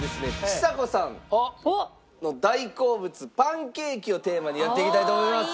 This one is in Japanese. ちさ子さんの大好物パンケーキをテーマにやっていきたいと思います。